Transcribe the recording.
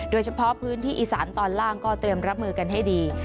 โดยเฉพาะพื้นที่อีสานตอนล่างก็เตรียมรับมือกันให้ดี